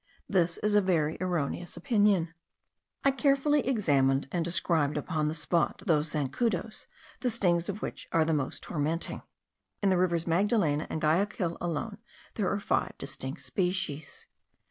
This is a very erroneous opinion. I carefully examined and described upon the spot those zancudos, the stings of which are most tormenting. In the rivers Magdalena and Guayaquil alone there are five distinct species.